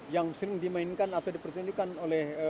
yang sering dimainkan atau dipertunjukkan oleh